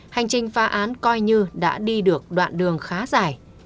hành trình phá án coi như đã đi được đoạn đường khá dài